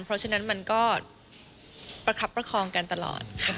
เพราะฉะนั้นมันก็ประคับประคองกันตลอดค่ะ